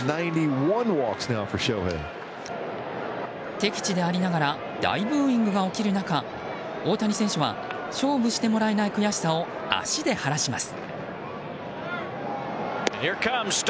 敵地でありながら大ブーイングが起きる中大谷選手は勝負してもらえない悔しさを足で晴らします。